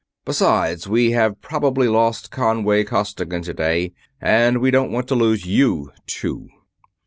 Besides, we have probably lost Conway Costigan today, and we don't want to lose you, too."